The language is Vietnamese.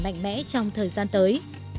đang được đánh giá là một năm triệu usd